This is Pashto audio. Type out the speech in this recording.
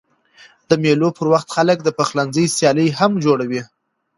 د مېلو پر وخت خلک د پخلنځي سیالۍ هم جوړوي.